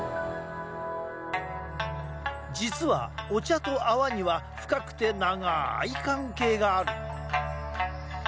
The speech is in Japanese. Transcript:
実は、お茶と泡には深くて長い関係がある。